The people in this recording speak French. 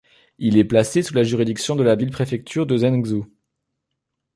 Il est placé sous la juridiction de la ville-préfecture de Zhengzhou.